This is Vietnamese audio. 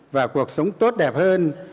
và cuộc sống tốt đẹp hơn